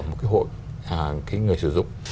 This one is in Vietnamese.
một cái hội cái người sử dụng